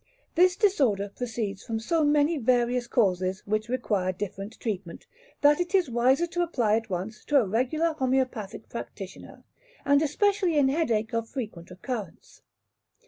This disorder proceeds from so many various causes, which require different treatment, that it is wiser to apply at once to a regular homoeopathic practitioner, and especially in headache of frequent occurrence.